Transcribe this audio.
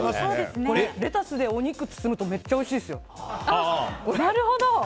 レタスでお肉包むとめっちゃおいしいですよ。